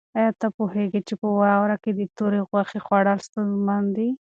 آیا ته پوهېږې چې په واوره کې د تورې غوښې خوړل ستونزمن دي؟